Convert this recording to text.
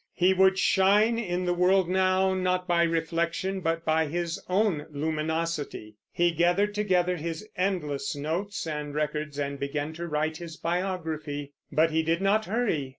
He would shine in the world now, not by reflection, but by his own luminosity. He gathered together his endless notes and records, and began to write his biography; but he did not hurry.